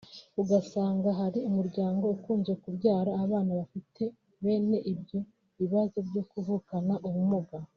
ugasanga hari umuryango ukunze kubyara abana bafite bene ibyo bibazo byo kuvukana ubumuga